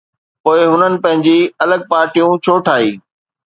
پوءِ هنن پنهنجي الڳ پارٽيون ڇو ٺاهي؟